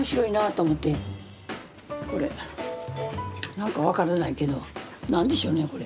何か分からないけど何でしょうねこれ。